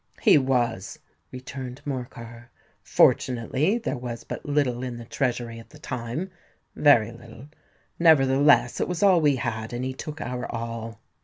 "He was," returned Morcar." Fortunately there was but little in the treasury at the time—very little;—nevertheless, it was all we had—and he took our all."